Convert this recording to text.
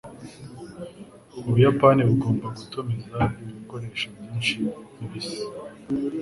Ubuyapani bugomba gutumiza ibikoresho byinshi bibisi.